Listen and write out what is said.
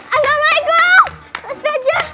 assalamualaikum ustadz jah